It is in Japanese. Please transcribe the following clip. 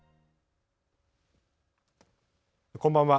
こんばんは。